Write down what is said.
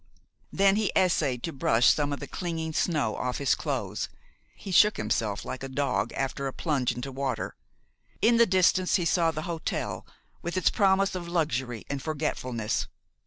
Then he essayed to brush some of the clinging snow off his clothes. He shook himself like a dog after a plunge into water. In the distance he saw the hotel, with its promise of luxury and forgetfulness.